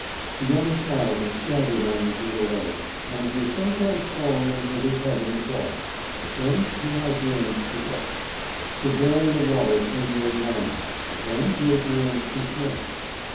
The young child has staggered on his little legs, and he has some times fallen and hurt his head in the fall, but then he has learned to walk. The boy in the water came near drown ing, but then he has learned to swim.